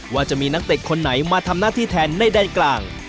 ว่าจะมีนักเตะคนไหนมาทำหน้าที่แทนใดกลาง